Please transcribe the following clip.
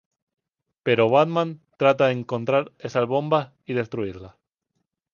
Pero Batman trata de encontrar esas bombas y destruirlas.